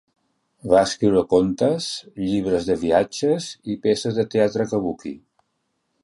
Va escriure contes, llibres de viatges i peces de teatre kabuki.